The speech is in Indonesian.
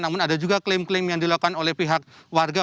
namun ada juga klaim klaim yang dilakukan oleh pihak warga